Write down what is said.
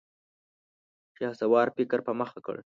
شهسوار فکر په مخه کړ.